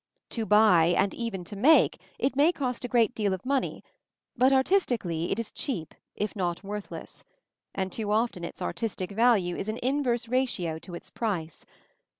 To buy, and even to make, it may cost a great deal of money; but artistically it is cheap, if not worthless; and too often its artistic value is in inverse ratio to its price.